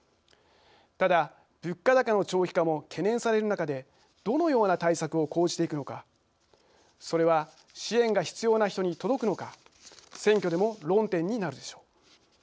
ただ物価高の長期化も懸念される中でどのような対策を講じていくのかそれは支援が必要な人に届くのか選挙でも論点になるでしょう。